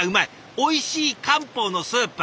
おいしい漢方のスープ！